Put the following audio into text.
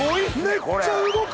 めっちゃ動く！